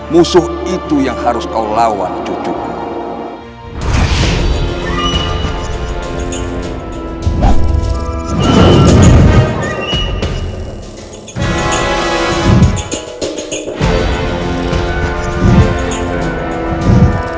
musuh itu yang harus kau lawan cucuku